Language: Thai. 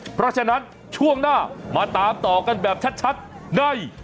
เพราะฉะนั้นช่วงหน้ามาตามต่อกันแบบชัดใน